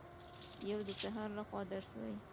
یو د سحر لخوا درس وايي